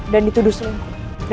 dan dituduh selingkuh